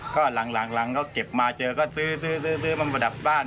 ก็หลังเขาเก็บมาเจอก็ซื้อซื้อมาประดับบ้าน